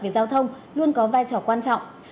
về giao thông luôn có vai trò quan trọng